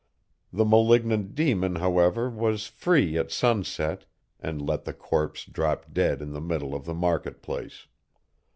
The malignant demon however, was free at sunset, and let the corpse drop dead in the middle of the market place.